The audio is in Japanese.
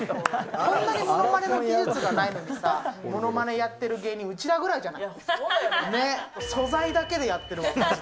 そんなにものまねの技術がないのにさ、ものまねやってる芸人うちらぐらいじゃない？